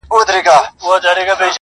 دا نظم مي وساته یو وخت به در یادیږي -